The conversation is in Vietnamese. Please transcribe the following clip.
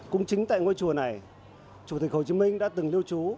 cũng chính tại ngôi chùa này chủ tịch hồ chí minh đã từng lưu trú